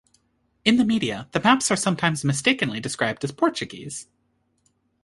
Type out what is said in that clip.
In the media, the maps are sometimes mistakenly described as Portuguese.